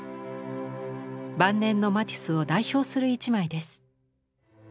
晩年のマティスを代表する一枚です。